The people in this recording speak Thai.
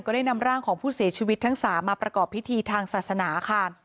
ได้นำร่างของผู้เสียชีวิตทั้ง๓มาประกอบพิธีทางศาสนาค่ะ